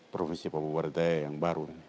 provinsi papua barat daya yang baru